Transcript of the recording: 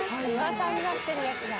噂になってるやつだ。